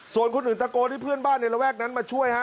ส่วนคนอื่นตะโกนให้เพื่อนบ้านในระแวกนั้นมาช่วยฮะ